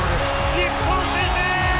日本、先制！